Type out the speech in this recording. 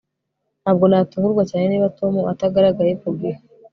Ntabwo natungurwa cyane niba Tom atagaragaye ku gihe